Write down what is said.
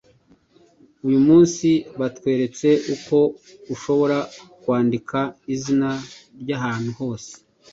Uyu munsi batweretse uko ushobora kwandika izina ry’ahantu hose